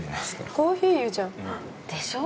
コーヒー湯じゃん。でしょ？